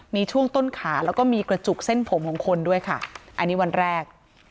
มีช่วงต้นขาแล้วก็มีกระจุกเส้นผมของคนด้วยค่ะอันนี้วันแรก